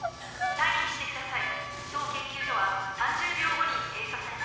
退避してください。